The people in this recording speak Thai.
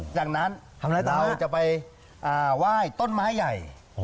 จากนั้นเราจะไปไหว้ต้นไม้ใหญ่